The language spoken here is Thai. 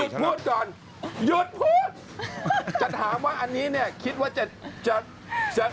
จะถามว่าอันนี้คิดว่าจะ